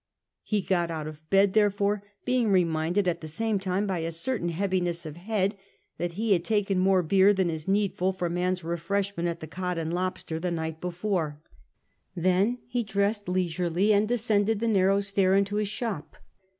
He got out of bed, thcrefoi*e, being reminded, at the same time, by a certain heaviness of head, tliat he had taken more beer than is needful for man's refreshment at the Cod and Lobster the night before. 14 CAPTAIN COON chap. Then he dressed leisurely, and descended the narrow stair into his shop.